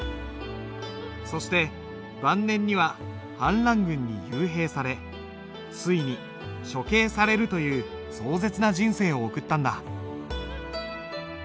そして晩年には反乱軍に幽閉されついに処刑されるという壮絶な人生を送ったんだ。